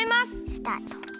スタート。